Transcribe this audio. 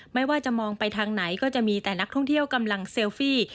ไม่ว่าจะมองไปทางไหนก็จะมีแต่นักท่องเที่ยวกำลังเซลฟี่